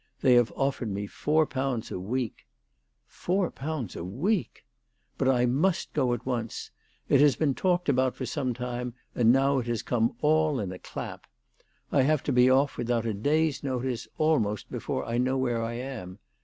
They have offered me four pounds a week." " Four pounds a week !"" But I must go at once. It has been talked about for some time, and now it has come all in a clap. I have to be off without a day's notice, almost before I know where I am.